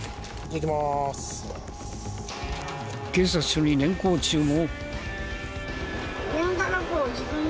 警察署に連行中も。